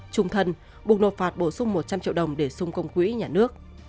trung thân buộc nộp phạt bổ sung một trăm linh triệu đồng để xung công quỹ nhà nước